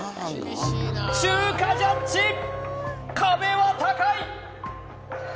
中華ジャッジ壁は高い！